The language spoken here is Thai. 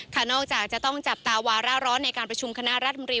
นอกจากจะต้องจับตาวาระร้อนในการประชุมคณะรัฐมนตรี